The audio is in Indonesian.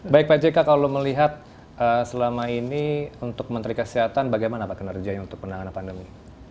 baik pak jk kalau melihat selama ini untuk menteri kesehatan bagaimana pak kinerjanya untuk penanganan pandemi